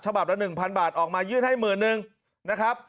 ฉบับละ๑๐๐บาทออกมายื่นให้หมื่นนึงนะครับ